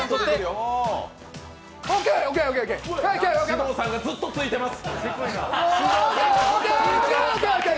獅童さんがずっと突いてます。